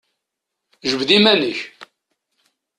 Jbed iman-ik!